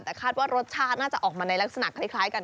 แต่คาดว่ารสชาติน่าจะออกมาในลักษณะคล้ายกัน